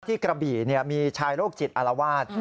กระบี่มีชายโรคจิตอารวาส